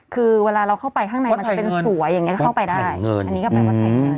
คือเวลาเราเข้าไปข้างในมันจะเป็นสวยอย่างนี้ก็เข้าไปได้อันนี้ก็แปลว่าแต่งงาน